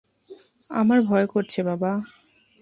আমার ভয় করছে, বাবা।